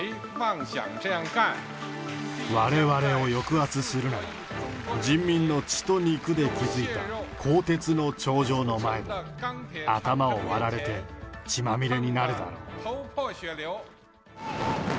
われわれを抑圧するなら、人民の血と肉で築いた鋼鉄の長城の前で頭を割られて血まみれになるだろう。